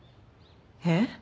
えっ？